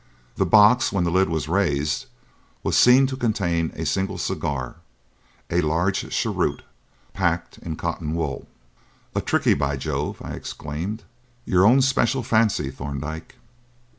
The box, when the lid was raised, was seen to contain a single cigar a large cheroot packed in cotton wool. "A 'Trichy,' by Jove!" I exclaimed. "Your own special fancy, Thorndyke."